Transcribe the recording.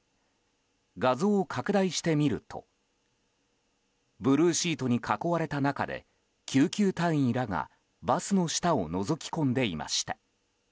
画像を拡大してみるとブルーシートに囲われた中で救急隊員らが、バスの下をのぞき込んでいました。